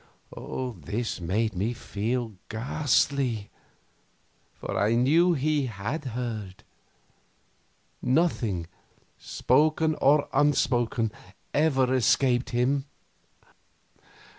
This made me feel ghastly, for I knew he had heard; nothing, spoken or unspoken, ever escaped him.